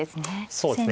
そうですね。